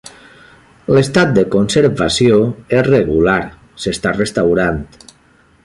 L'estat de conservació és regular, s'està restaurant.